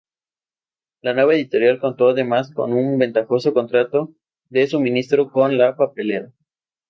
La nueva editorial contó además con un ventajoso contrato de suministro con la Papelera.